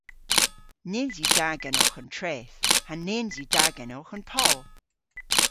Nyns yw da genowgh an treth, ha nyns yw da genowgh an poll.